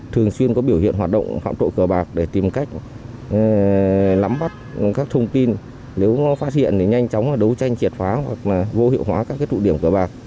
thường xuyên có biểu hiện hoạt động phạm tội cờ bạc để tìm cách nắm bắt các thông tin nếu phát hiện thì nhanh chóng đấu tranh triệt phá hoặc vô hiệu hóa các tụ điểm cờ bạc